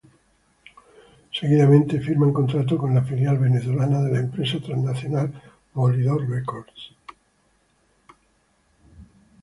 Seguidamente, firman contrato con la filial venezolana de la empresa transnacional Polydor Records.